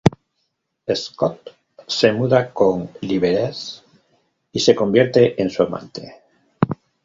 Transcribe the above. Scott se muda con Liberace y se convierte en su amante.